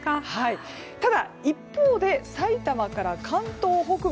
ただ、一方で埼玉から関東北部。